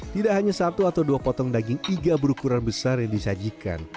tidak hanya satu atau dua potong daging iga berukuran besar yang disajikan